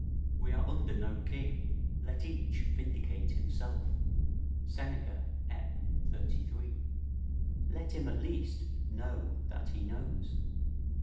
["We are under no king; let each vindicate himself." Seneca, Ep.,33] Let him, at least, know that he knows.